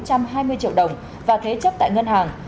giá là bốn trăm hai mươi triệu đồng và thế chấp tại ngân hàng